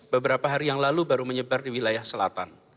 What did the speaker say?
beberapa hari yang lalu baru menyebar di wilayah selatan